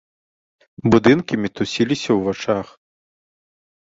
Будынкі мітусіліся ў вачах.